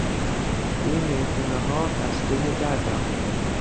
تو این میخونهها خسته دردم